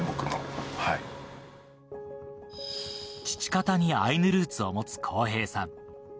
父方にアイヌルーツをもつ康平さん。